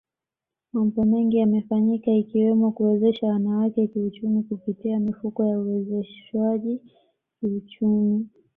Mambo mengi yamefanyika ikiwemo kuwezesha wanawake kiuchumi kupitia mifuko ya uwezeshwaji kiuchumi